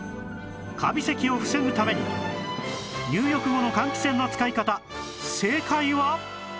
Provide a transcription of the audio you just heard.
カビ咳を防ぐために入浴後の換気扇の使い方正解は